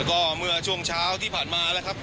ก็เมื่อช่วงเช้าที่ผ่านมานะครับ